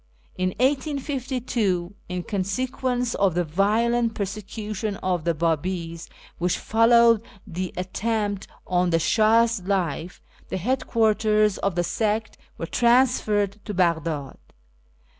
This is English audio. In 1852, in consequence of the violent persecution of the Babis which followed the attempt on the Shah's life, the headquarters of the sect were transferred to Baghdad.